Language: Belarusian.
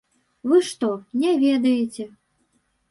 Вы што, не ведаеце?!